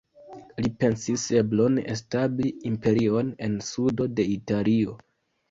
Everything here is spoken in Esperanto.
Li pensis eblon establi imperion en sudo de Italio.